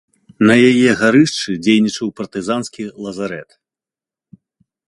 На яе гарышчы дзейнічаў партызанскі лазарэт.